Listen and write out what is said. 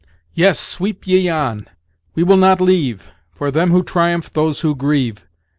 "Yes, sweep ye on! We will not leave, For them who triumph those who grieve.